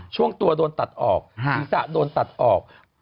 ช่วงตัวโดนตัดออกศีรษะโดนตัดออก